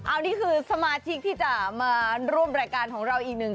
อันนี้คือสมาชิกที่จะมาร่วมรายการของเราอีกหนึ่ง